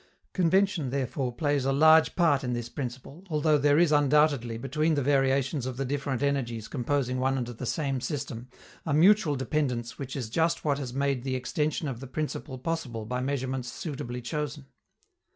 Convention, therefore, plays a large part in this principle, although there is undoubtedly, between the variations of the different energies composing one and the same system, a mutual dependence which is just what has made the extension of the principle possible by measurements suitably chosen.